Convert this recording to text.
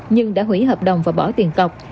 nhưng đã hủy hợp đồng và bỏ tiền cọc